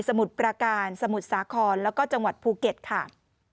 มุดประการสมุทรสาครแล้วก็จังหวัดภูเก็ตค่ะ